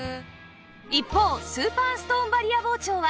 一方スーパーストーンバリア包丁は